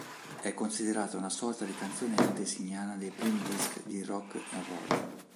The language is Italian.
È considerata una sorta di canzone antesignana dei primi dischi di rock and roll.